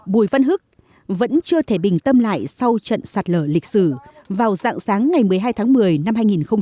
bùi văn hức vẫn chưa thể bình tâm lại sau trận sạt lở lịch sử vào dạng sáng ngày một mươi hai tháng một mươi năm hai nghìn một mươi bảy